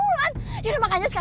yaudah makanya lo ikutin cepetan